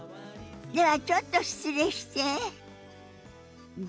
ではちょっと失礼して。